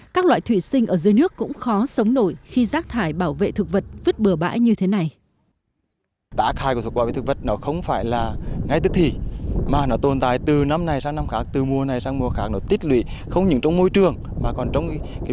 các loại thủy sinh ở dưới nước cũng khó sống nổi khi rác thải bảo vệ thực vật vứt bừa bãi như thế này